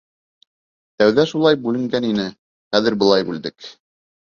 Тәүҙә шулай бүленгән ине, хәҙер былай бүлдек.